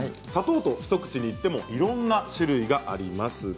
砂糖と一口に言ってもいろいろな種類があります。